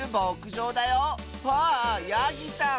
わあヤギさん！